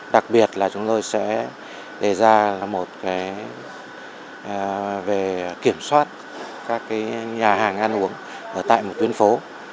đặc biệt là chúng tôi sẽ đề ra là một cái về kiểm soát các nhà hàng ăn uống tại một tuyến phố